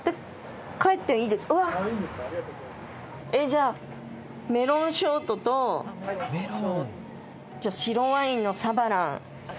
じゃあメロンショートとじゃあ白ワインのサバランお願いします。